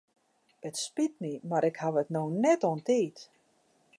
It spyt my mar ik ha it no net oan tiid.